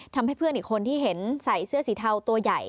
ทำให้เพื่อนอีกคนที่เห็นใส่เสื้อสีเทาตัวใหญ่